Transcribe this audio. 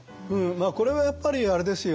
これはやっぱりあれですよ。